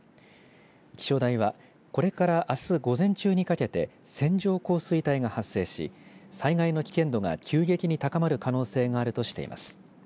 気象台はこれから、あす午前中にかけて線状降水帯が発生し災害の危険度が急激に高まる可能性があるとしています。